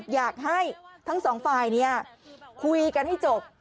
อยากให้ทั้งสองฝ่ายคุยกันให้จบ